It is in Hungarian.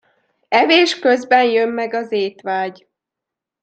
Evés közben jön meg az étvágy.